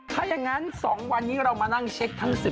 ถ้ายังงั้น๒วันนี้เรามานั่งเช็คทั้ง๑๒ราศี